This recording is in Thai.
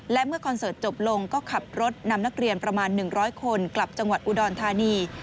และเมื่อคอนเสิร์ตจบลงก็ขับรถนำนักเรียนประมาณ๑๐๐คนกลับจังหวัดอุดรธานี